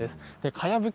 かやぶき